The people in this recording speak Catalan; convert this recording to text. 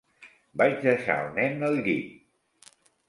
Vaig deixar el nen al llit.